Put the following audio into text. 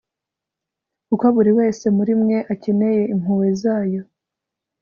kuko buri wese muri mwe akeneye impuhwe zayo